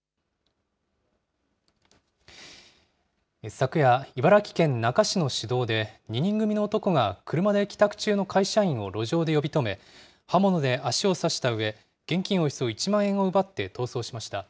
昨夜、茨城県那珂市の市道で、２人組の男が車で帰宅中の会社員を路上で呼び止め、刃物で足を刺したうえ、現金およそ１万円を奪って逃走しました。